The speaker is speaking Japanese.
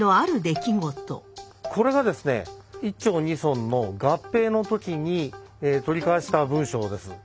これがですね一町二村の合併の時に取り交わした文書です。